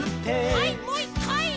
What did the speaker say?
はいもう１かい！